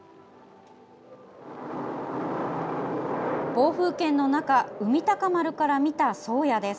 暴風圏の中「海鷹丸」から見た「宗谷」です。